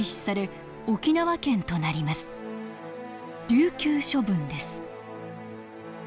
琉球処分です。